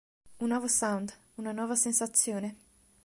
Un nuovo sound, una nuova sensazione.